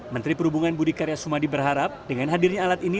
menteri perhubungan budi karya sumadi berharap dengan hadirnya alat ini